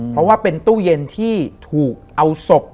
เพราะว่าเป็นตู้เย็นที่ถูกเอาศพ